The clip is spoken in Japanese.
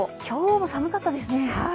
今日も寒かったですね。